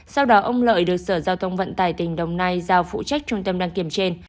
sau đó ông lợi được sở giao thông vận tải tỉnh đồng nai giao phụ trách trung tâm đăng kiểm trên